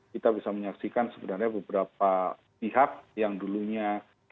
kita bisa menyaksikan sebenarnya beberapa pihak yang dulunya